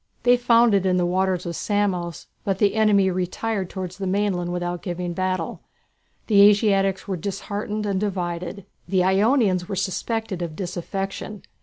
They found it in the waters of Samos, but the enemy retired towards the mainland without giving battle. The Asiatics were disheartened and divided. The Ionians were suspected of disaffection.